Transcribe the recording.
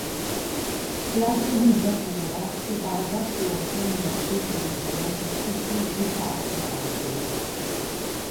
La sceneggiatura si basa su alcuni articoli giornalistici di Pat Michaels.